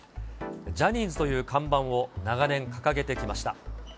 ジャニーズという看板を長年、掲げてきました。